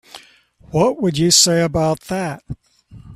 What would you say about that?